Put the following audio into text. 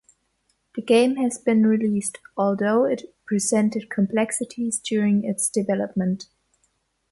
The game has been released, although it presented complexities during its development.